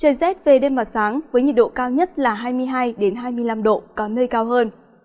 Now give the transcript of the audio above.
trời rét về đêm và sáng với nhiệt độ cao nhất là hai mươi hai hai mươi năm độ có nơi cao hơn